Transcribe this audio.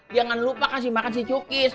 jangan lupa kasih makan si cukis